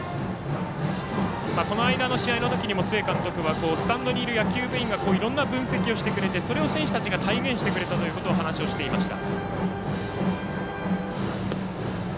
この間の試合の時にも須江監督がスタンドにいる野球部員がいろんな分析をしてくれて体現してくれたという話をしていました。